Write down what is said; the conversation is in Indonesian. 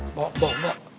mbak mbak mbak